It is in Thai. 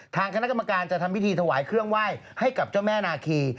ทางคณะกรรมการจะทำพิธีถวายเครื่องไหว้ให้กับเจ้าแม่นาคี